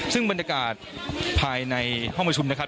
ซึ่งบรรยากาศภายในห้องประชุมนะครับ